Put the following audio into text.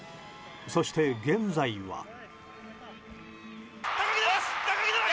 そして、現在は。